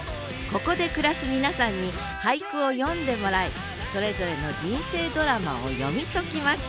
ここで暮らす皆さんに俳句を詠んでもらいそれぞれの人生ドラマを読み解きます